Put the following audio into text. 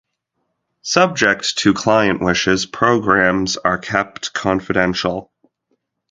Subject to client wishes, programs are kept confidential.